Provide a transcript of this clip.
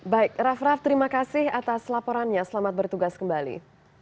baik rafraf terima kasih atas laporannya selamat bertugas kembali